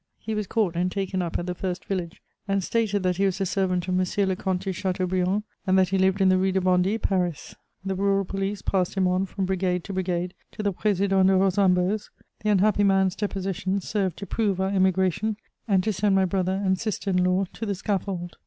He was caught and taken up at the first village, and stated that he was the servant of M. le Comte de Chateaubriand, and that he lived in the Rue de Bondy, Paris. The rural police passed him on from brigade to brigade to the Président de Rosanbo's; the unhappy man's depositions served to prove our emigration, and to send my brother and sister in law to the scaffold.